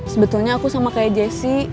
sebetulnya aku sama kayak jessi